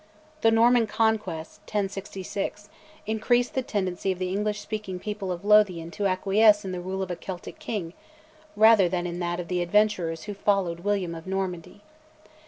The Norman Conquest (1066) increased the tendency of the English speaking people of Lothian to acquiesce in the rule of a Celtic king, rather than in that of the adventurers who followed William of Normandy.